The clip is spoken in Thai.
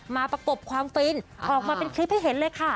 ประกบความฟินออกมาเป็นคลิปให้เห็นเลยค่ะ